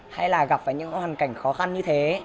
hay là gặp phải những hoàn cảnh khó khăn như thế